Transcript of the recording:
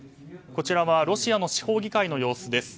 こちらはロシアの地方議会の様子です。